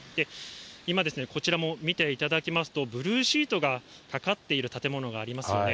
今ですね、こちら、見ていただきますと、ブルーシートがかかっている建物がありますよね。